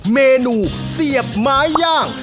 เมนูเสียบไม้ย่าง